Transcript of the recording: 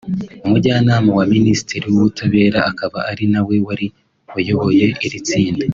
Umujyanama wa Minisitiri w’Ubutabera akaba ari na we wari uyoboye iri tsinda